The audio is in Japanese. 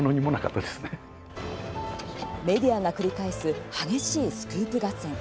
メディアが繰り返す激しいスクープ合戦